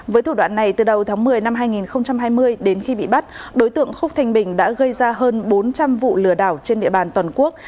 với thủ đoạn này từ đầu tháng một mươi năm hai nghìn hai mươi đến khi bị bắt đối tượng khúc thanh bình đã gây ra hơn bốn trăm linh vụ lừa đảo trên địa bàn toàn quốc